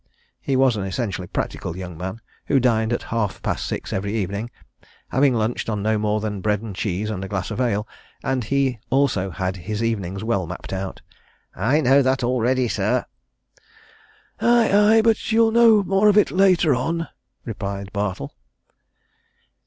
He was an essentially practical young man who dined at half past six every evening, having lunched on no more than bread and cheese and a glass of ale, and he also had his evenings well mapped out. "I know that already, sir." "Aye, aye, but you'll know more of it later on," replied Bartle.